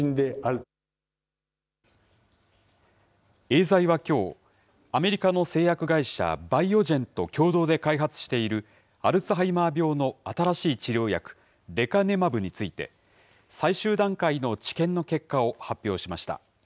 エーザイはきょう、アメリカの製薬会社、バイオジェンと共同で開発しているアルツハイマー病の新しい治療薬、レカネマブについて、最終段階の治験の結果を発表しました。